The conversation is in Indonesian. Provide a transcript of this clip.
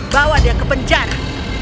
bawa dia ke penjara